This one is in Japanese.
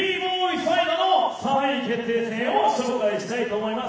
サイドの３位決定戦を紹介したいと思います。